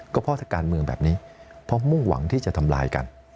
ก็เพราะการเมืองแบบนี้เพราะมุ่งหวังที่จะทำลายกัน